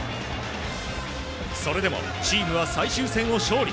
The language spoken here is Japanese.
それでもチームは最終戦を勝利。